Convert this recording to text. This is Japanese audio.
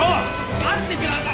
待ってくださいよ！